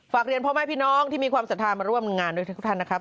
เรียนพ่อแม่พี่น้องที่มีความศรัทธามาร่วมงานด้วยทุกท่านนะครับ